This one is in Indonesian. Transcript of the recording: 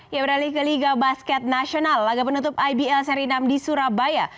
ia beralih ke liga basket nasional laga penutup ibl seri enam di surabaya